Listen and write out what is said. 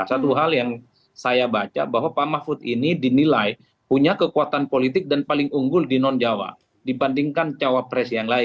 satu hal yang saya baca bahwa pak mahfud ini dinilai punya kekuatan politik dan paling unggul di non jawa dibandingkan cawapres yang lain